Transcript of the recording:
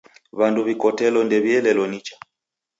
W'andu w'ikotelo ndew'ielelo nicha.